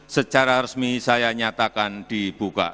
secara resmi saya nyatakan dibuka